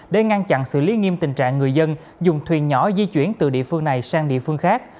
để ngăn chặn xử lý nghiêm tình trạng người dân dùng thuyền nhỏ di chuyển từ địa phương này sang địa phương khác